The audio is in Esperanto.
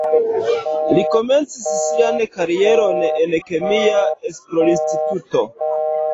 Li komencis sian karieron en kemia esplorinstituto.